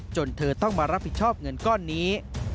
เธอต้องมารับผิดชอบเงินก้อนนี้